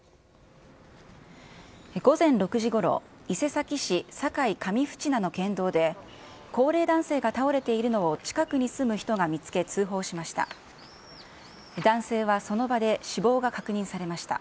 午前６時ごろ、伊勢崎市境上渕名の県道で、高齢男性が倒れているのを近くに住む人が見つけ、通報しました。